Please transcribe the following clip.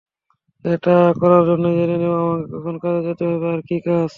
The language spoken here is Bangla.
এটা করার সময় জেনে নিও আমাকে কখন কাজে যেতে হবে আর কী কাজ।